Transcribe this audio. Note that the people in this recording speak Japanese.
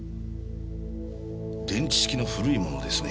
電池式の古いものですね。